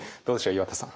岩田さん。